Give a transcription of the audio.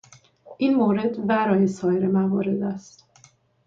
این مورد وراء سایر موارد است.